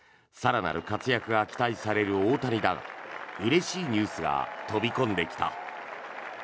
更なる活躍が期待される大谷だがうれしいニュースが飛び込んできた。